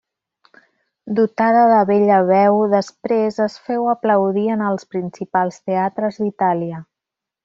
Dotada de bella veu, després es féu aplaudir en els principals teatres d'Itàlia.